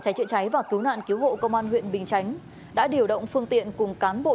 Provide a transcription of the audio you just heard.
cháy chữa cháy và cứu nạn cứu hộ công an huyện bình chánh đã điều động phương tiện cùng cán bộ